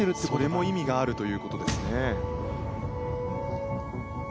それも意味があるということですね。